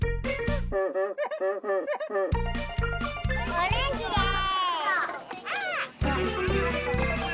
オレンジです！